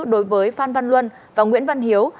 đối với phan văn luân và nguyễn văn hiếu